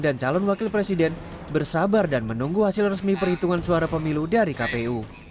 dan calon wakil presiden bersabar dan menunggu hasil resmi perhitungan suara pemilu dari kpu